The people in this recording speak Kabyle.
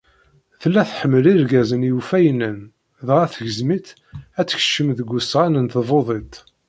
Tella tḥemmel irgazen iwfayenen, dɣa tegzem-itt ad tekcem deg usɣan n tbudit.